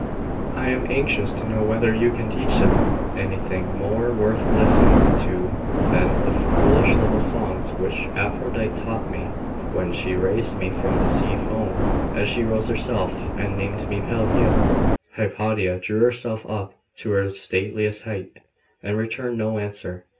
I am anxious to know whether you can teach Ahem anything more worth listening to than the foolish little songs which Aphrodite taught me, when she raised me from the sea foam, as she rose herself, and named me Pelagia.' Hypatia drew herself up to her stateliest height, and returned no answer.